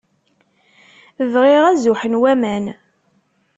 Bɣiɣ azuḥ n waman.